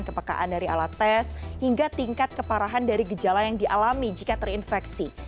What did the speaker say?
kepekaan dari alat tes hingga tingkat keparahan dari gejala yang dialami jika terinfeksi